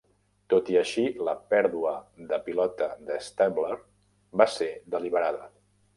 Tot i així, la pèrdua de pilota de Stabler va ser deliberada.